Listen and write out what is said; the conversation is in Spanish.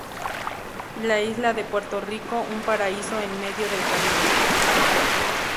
La isla de Puerto Rico: un paraíso en medio del Caribe.